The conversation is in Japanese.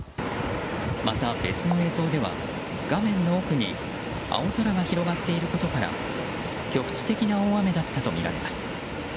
また別の映像では画面の奥に青空が広がっていることから局地的な大雨だったとみられます。